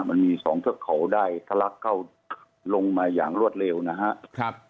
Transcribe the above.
มันมีสองเครื่องเขาได้ถลักเข้าลงมาอย่างรวดเร็วนะฮะ